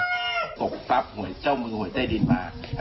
กลบป๊าห่วยเจ้ามือห่วยเต้ยดินมา